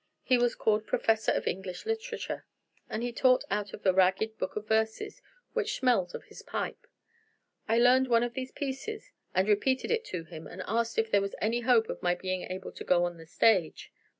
He was called 'Professor of English Literature,' and he taught out of a ragged book of verses which smelled of his pipe. I learned one of the pieces and repeated it to him, and asked if there was any hope of my being able to go on the stage.